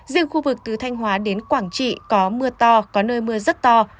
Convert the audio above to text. riêng khu vực từ thanh hóa đến quảng trị có mưa to có nơi mưa rất to